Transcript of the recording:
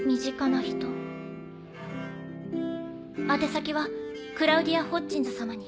宛先はクラウディア・ホッジンズ様に。